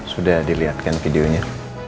sudah dilihatkan videonya